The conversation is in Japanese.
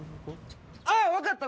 あっ分かった！